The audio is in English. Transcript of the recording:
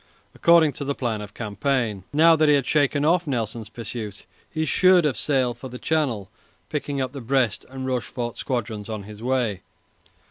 According to the plan of campaign, now that he had shaken off Nelson's pursuit, he should have sailed for the Channel, picking up the Brest and Rochefort squadrons on his way.